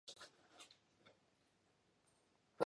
Beauceville, the county seat, is the most populous municipality.